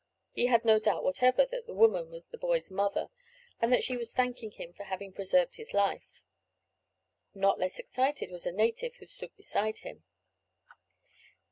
He had no doubt whatever that the woman was the boy's mother, and that she was thanking him for having preserved his life. Not less excited was a native who stood beside him.